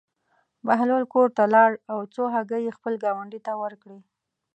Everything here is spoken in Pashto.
بهلول کور ته لاړ او څو هګۍ یې خپل ګاونډي ته ورکړې.